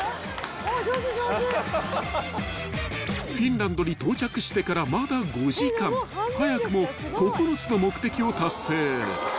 ［フィンランドに到着してからまだ５時間早くも９つの目的を達成］